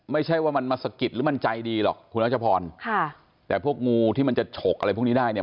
ไม่ใช่ว่ามันมาสะกิดหรือมันใจดีหรอกคุณรัชพรค่ะแต่พวกงูที่มันจะฉกอะไรพวกนี้ได้เนี่ย